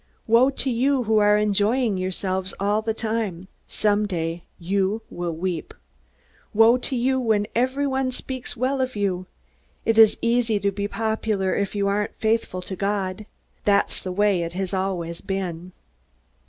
Woe to you who are enjoying yourselves all the time! Someday you will weep. Woe to you when everyone speaks well of you! It is easy to be popular if you aren't faithful to God. That's the way it has always been."